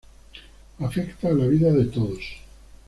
Afecta a la vida de todos.